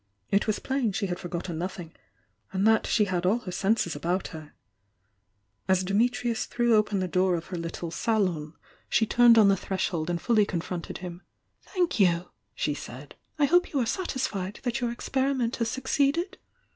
It was plain she had forgotten nothing, and that she had all her senses about her. As Dimitrius threw open the door of her little salon 808 THE YOUNG DIANA she turned on the threshold and fully confronted him. "Thank you!" she said. "I hope you are satio fied that your experiment has succeeded?"